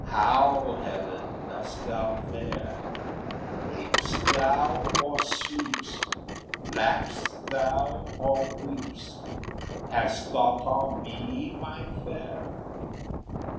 How, Helen, dost thou fare? Wak'st thou, or sleep'st? laugh'st thou, or weep'st? Hast thought on me, my fair?"